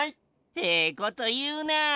ええこというなあ。